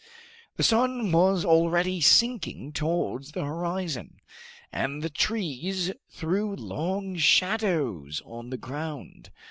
The sun was already sinking towards the horizon, and the trees threw long shadows on the ground.